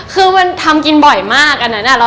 คือมันทำกินบ่อยมาก